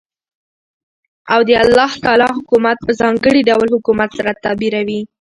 او دالله تعالى حكومت په ځانګړي ډول حكومت سره تعبيروي .